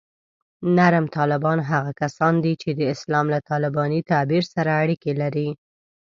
نرم طالبان هغه کسان دي چې د اسلام له طالباني تعبیر سره اړیکې لري